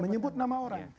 menyebut nama orang